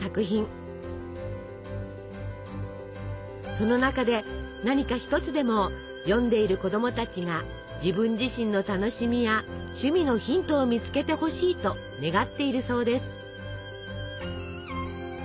その中で何か一つでも読んでいる子供たちが自分自身の楽しみや趣味のヒントを見つけてほしいと願っているそうです。